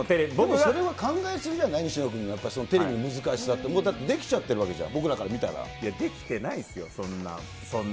それは考え過ぎじゃない、西野君、やっぱりテレビの難しさって、だってできちゃってるわけじゃん、いや、できてないですよ、そんな。